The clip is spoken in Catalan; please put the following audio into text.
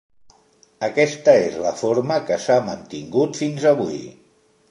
Aquesta és la forma que s'ha mantingut fins avui.